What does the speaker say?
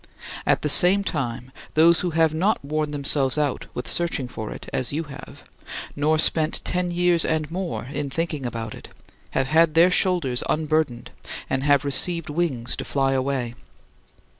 At the same time those who have not worn themselves out with searching for it as you have, nor spent ten years and more in thinking about it, have had their shoulders unburdened and have received wings to fly away."